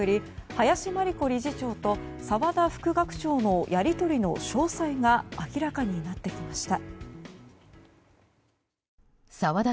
林真理子理事長と澤田副学長のやり取りの詳細が明らかになってきました。